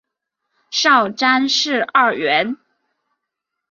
少詹事二员。